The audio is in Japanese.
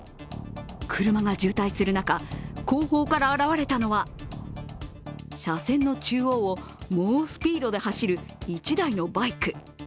車が渋滞する中、後方から現れたのは車線の中央を猛スピードで走る１台のバイク。